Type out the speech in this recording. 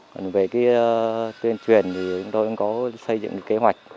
còn về cái tuyên truyền thì chúng tôi cũng có xây dựng kế hoạch